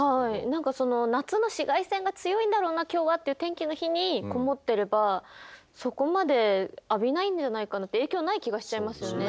何か「夏の紫外線が強いんだろうな今日は」っていう天気の日にこもってればそこまで浴びないんじゃないかなって影響ない気がしちゃいますよね。